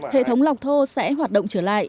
hệ thống lọc thô sẽ hoạt động trở lại